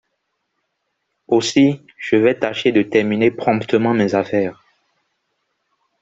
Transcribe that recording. Aussi je vais tâcher de terminer promptement mes affaires !